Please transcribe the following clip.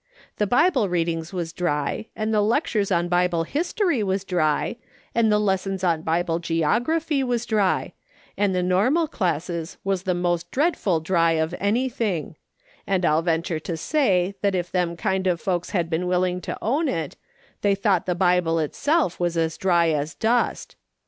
The Bible readings was dry, and the lectures on Bible History was dry, and the lessons on Bible Geography was dry, and the Normal Classes was the most dreadful dry of anything ; and I'll venture to say that if them kind of folks had been willing to own it, they thought the Bible itself was as dry as dust.